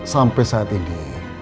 sampai saat ini